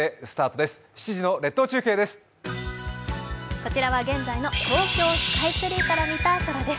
こちらは現在の東京スカイツリーから見た空です。